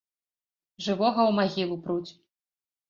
Жывога ў магілу пруць.